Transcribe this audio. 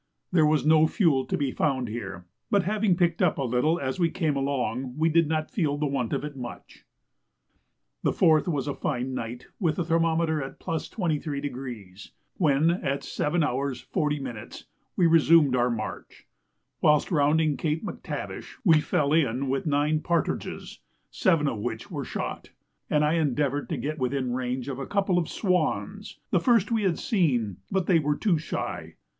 There was no fuel to be found here, but having picked up a little as we came along, we did not feel the want of it much. The 4th was a fine night with the thermometer at +23°, when, at 7h. 40m., we resumed our march. Whilst rounding Cape Mactavish we fell in with nine partridges, seven of which were shot, and I endeavoured to get within range of a couple of swans the first we had seen but they were too shy.